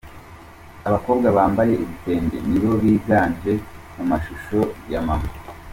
Abakobwa bambaye ibitenge nibo biganje mu mashusho ya Mama